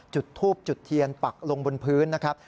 จุดทูบจุดเทียนปักลงบนพื้นนะครับ